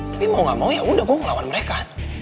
tapi mau gak mau ya udah gue ngelawan mereka